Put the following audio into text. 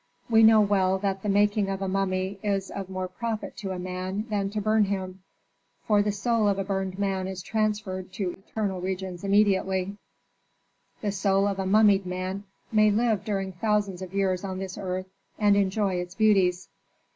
We know well that the making of a mummy is of more profit to a man than to burn him, for the soul of a burned man is transferred to eternal regions immediately; the soul of a mummied man may live during thousands of years on this earth and enjoy its beauties.